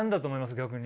逆に。